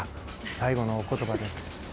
最後のお言葉です。